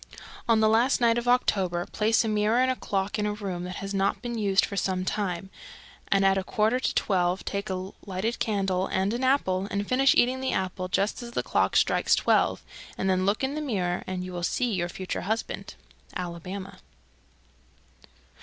_ 314. On the last night of October place a mirror and a clock in a room that has not been used for some time, and at a quarter to twelve take a lighted candle and an apple, and finish eating the apple just as the clock strikes twelve, and then look in the mirror and you will see your future husband. _Alabama.